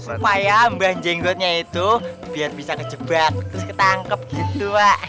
supaya mbah jenggotnya itu biar bisa kejebak terus ketangkep gitu pak